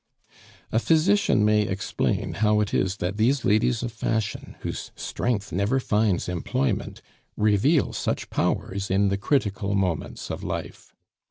A physician may explain how it is that these ladies of fashion, whose strength never finds employment, reveal such powers in the critical moments of life.